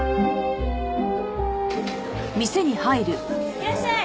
いらっしゃい！